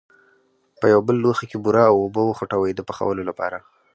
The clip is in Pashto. په یو بل لوښي کې بوره او اوبه وخوټوئ د پخولو لپاره.